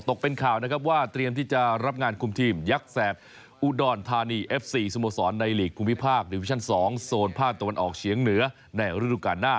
ข่าวนะครับว่าเตรียมที่จะรับงานคุมทีมยักษ์แสบอุดรธานีเอฟซีสโมสรในหลีกภูมิภาคดิวิชั่น๒โซนภาคตะวันออกเฉียงเหนือในฤดูการหน้า